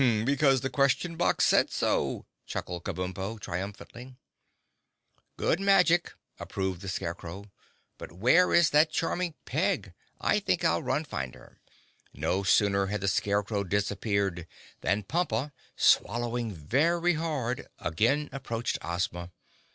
"Because the Question Box said so," chuckled Kabumpo triumphantly. "Good magic!" approved the Scarecrow. "But where is that charming Peg? I think I'll run find her." No sooner had the Scarecrow disappeared than Pompa, swallowing very hard, again approached Ozma.